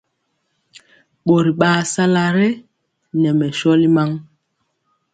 Ɓori ɓaa sala re nɛ mɛ sɔli maŋ.